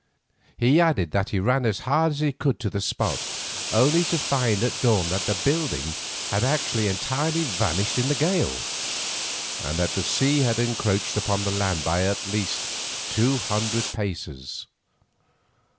He added that he ran as hard as he could to the spot, only to find at dawn that the building had entirely vanished in the gale, and that the sea had encroached upon the land by at least two hundred paces.